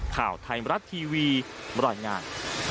ข่าวไทยมรัฐทีวีบรรยายงาน